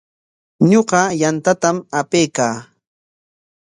Ñuqa yantatam apaykaa.